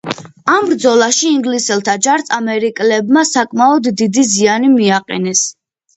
ამ ბრძოლაში ინგლისელთა ჯარს ამერიკელებმა საკმაოდ დიდი ზიანი მიაყენეს.